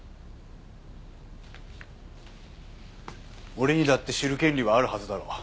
俺にだって知る権利はあるはずだろ。